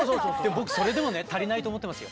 僕それでもね足りないと思ってますよ。